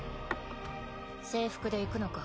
制服で行くのか？